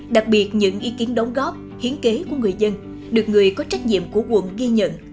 đặc biệt những ý kiến đóng góp hiến kế của người dân được người có trách nhiệm của quận ghi nhận